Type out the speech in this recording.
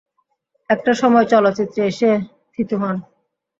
একটা সময় চলচ্চিত্রে এসে থিতু হন।